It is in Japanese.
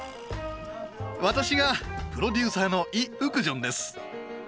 私がプロデューサーのイ・ウクジョンです。え！